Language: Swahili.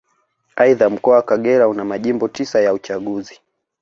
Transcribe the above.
Aidha Mkoa wa Kagera una Majimbo tisa ya uchaguzi